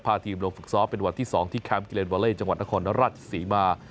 พาทีมลงฝึกซ้อมเป็นวันที่๒ที่แคมป์กิเลนวาเล่จังหวัดนครราชศรีมา